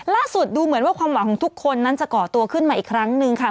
ดูเหมือนว่าความหวังของทุกคนนั้นจะก่อตัวขึ้นมาอีกครั้งหนึ่งค่ะ